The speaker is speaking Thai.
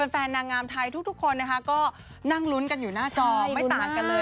แฟนนางงามไทยทุกคนนะคะก็นั่งลุ้นกันอยู่หน้าจอไม่ต่างกันเลย